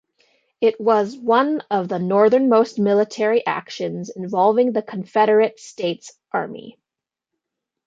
It was one of the northernmost military actions involving the Confederate States Army.